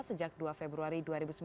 sejak dua februari dua ribu sembilan belas